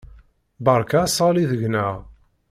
Berka asɣalli deg-neɣ.